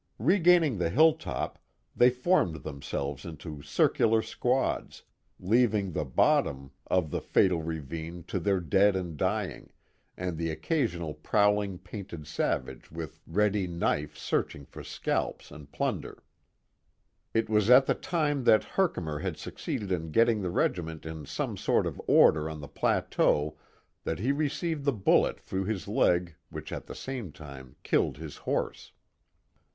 Regaining the hilltop, they formed them selves into circular squads, leaving the bottom of the fatal 4H The Mohawk Valley ravine to the dead and dying, and the occasional prowling painted savage with ready knife searching for scalps and plunder. It was at the time that Herkimer had succeeded in getting the regiment in some sort of order on the plateau that he received the bullet through his leg which at the same time killed his horse.